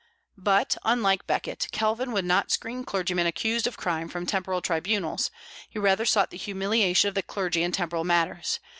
But, unlike Becket, Calvin would not screen clergymen accused of crime from temporal tribunals; he rather sought the humiliation of the clergy in temporal matters.